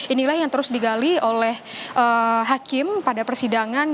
inilah yang terus digali oleh hakim pada persidangan